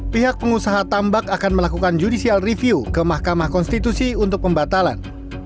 pihak pengusaha tambak akan melakukan judicial review ke mahkamah konstitusi untuk pembatalan